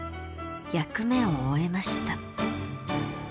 役目を終えました。